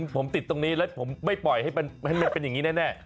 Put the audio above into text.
ผมติดตรงนี้แล้วผมไม่ปล่อยให้มันเป็นอย่างนี้แน่